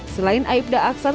selain aibda aksan